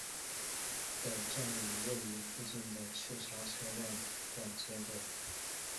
本站与位于附近的赤沙车辆段接轨。